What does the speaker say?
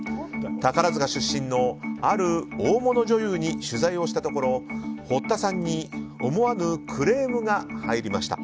宝塚出身の、ある大物女優に取材をしたところ、堀田さんに思わぬクレームが入りました。